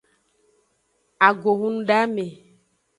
Ago hunudame.